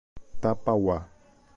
Tapauá